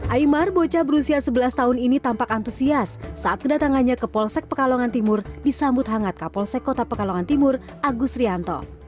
aymar bocah berusia sebelas tahun ini tampak antusias saat kedatangannya ke polsek pekalongan timur disambut hangat kapolsek kota pekalongan timur agus rianto